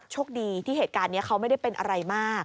โชคดีที่เหตุการณ์นี้เขาไม่ได้เป็นอะไรมาก